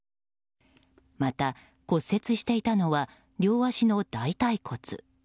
また、骨折していたのは両足の大腿骨。